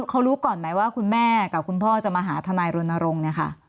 เขารู้ก่อนไหมว่าคุณแม่กับคุณพ่อจะมาหาทนายรณรงค์เนี่ยค่ะ